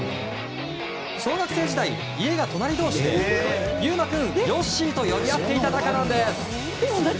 小学生時代、家が隣同士で裕真君、よっしーと呼び合っていた仲なんです。